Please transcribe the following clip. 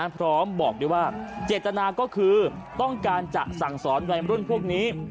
พร้อมบอกด้วยว่าเจตนาก็คือต้องการจะสั่งสอนวัยมรุ่นพวกนี้